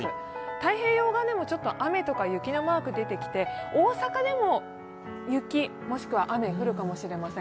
太平洋側でも雨とか雪のマークが出てきて大阪でも雪もしくは雨、降るかもしれません。